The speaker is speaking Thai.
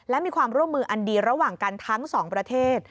และมีความร่วมมืออันดีระหว่างกันทั้งสองประเทศ